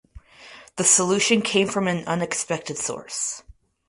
The solution came from an unexpected source.